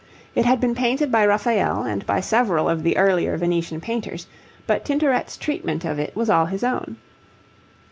It had been painted by Raphael and by several of the earlier Venetian painters, but Tintoret's treatment of it was all his own.